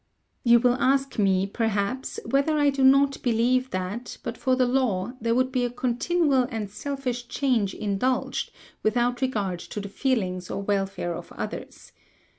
"You will ask me, perhaps, whether I do not believe that, but for the law, there would be a continual and selfish change indulged, without regard to the feelings or welfare of others.